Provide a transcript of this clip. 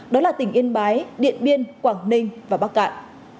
đó là tỉnh yên bái điện biên quảng ninh và bắc cạn